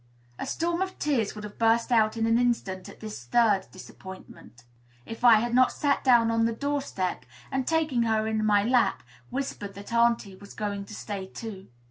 A storm of tears would have burst out in an instant at this the third disappointment, if I had not sat down on the door step, and, taking her in my lap, whispered that auntie was going to stay too.